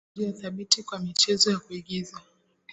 runinga ni njia thabiti kwa michezo ya kuigiza